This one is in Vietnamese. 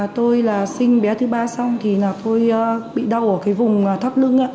tôi là sinh bé thứ ba xong tôi bị đau ở vùng thắp lưng